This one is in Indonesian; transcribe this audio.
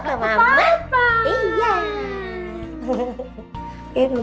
kenceng banget ke mama